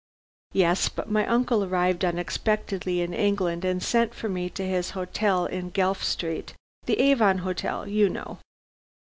"Yes. But my uncle arrived unexpectedly in England and sent for me to his hotel in Guelph street the Avon Hotel, you know.